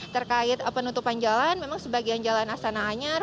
terkait penutupan jalan memang sebagian jalan astana anyar